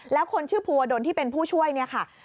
แล้วคนชื่อภูวดลที่เป็นผู้ช่วยเนี่ยค่ะ